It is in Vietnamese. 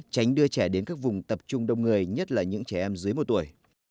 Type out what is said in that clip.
tránh đưa trẻ đến các vùng tập trung đông người nhất là những trẻ em dưới một tuổi